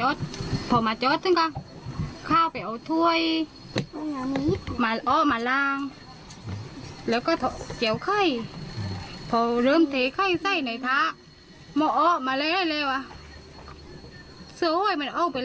ก็จะวิ่งยิงยิงกันเลยวิ่งยิงยิงตามแล้วแต่ไม่ทัน